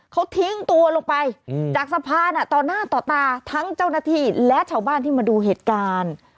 เขาทิ้งตัวลงไปจากสะพานต่อหน้าต่อตาทั้งเจ้าหน้าที่และชาวบ้านที่มาดูเหตุการณ์